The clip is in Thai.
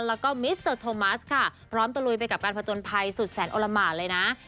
แล้วก็มิสเตอร์โทมัสค่ะพร้อมตะลุยไปกับการผจญภัยสุดแสนโอละหมานเลยนะ